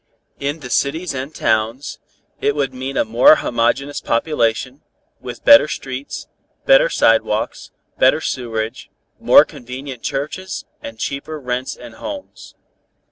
In the cities and towns, it would mean a more homogeneous population, with better streets, better sidewalks, better sewerage, more convenient churches and cheaper rents and homes.